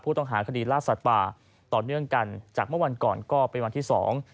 ต้องหาคดีล่าสัตว์ป่าต่อเนื่องกันจากเมื่อวันก่อนก็เป็นวันที่สอง